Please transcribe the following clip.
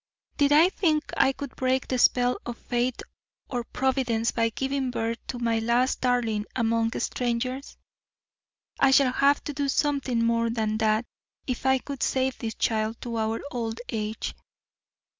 Did I think I could break the spell of fate or providence by giving birth to my last darling among strangers? I shall have to do something more than that if I would save this child to our old age.